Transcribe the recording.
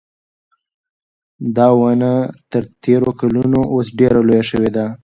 دا ونه تر تېرو کلونو اوس ډېره لویه شوې ده.